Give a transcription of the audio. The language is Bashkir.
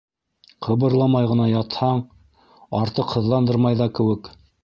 Ҡыбырламай ғына ятһаң, артыҡ һыҙландырмай ҙа кеүек...